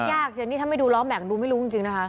แยกถ้าไม่ดูล้อแม่งดูไม่รู้จริงนะฮะ